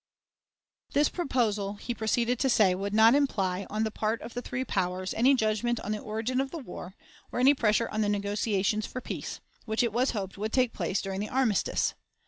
This proposal, he proceeded to say, would not imply, on the part of the three powers, any judgment on the origin of the war, or any pressure on the negotiations for peace, which it was hoped would take place during the armistice.